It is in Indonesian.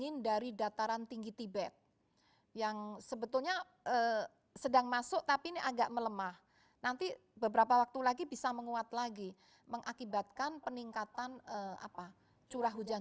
nah ini juga mengakibatkan peningkatan curah hujan